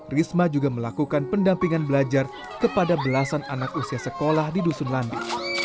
risma juga melakukan pendampingan belajar kepada belasan anak usia sekolah di dusun landi